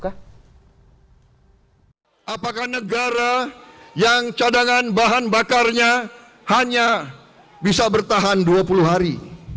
apakah negara yang cadangan bahan bakarnya hanya bisa bertahan dua puluh hari